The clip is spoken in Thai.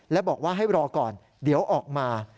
และบอกว่าให้รอก่อนเดี๋ยวออกมา